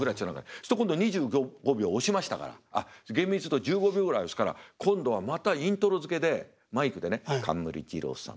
すると今度２５秒押しましたからあっ厳密に言うと１５秒ぐらいですから今度はまたイントロづけでマイクでね「冠二郎さん